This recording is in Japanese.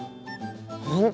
本当？